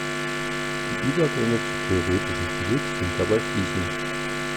Die Übergänge zur theoretischen Physik sind dabei fließend.